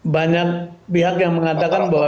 banyak pihak yang mengatakan bahwa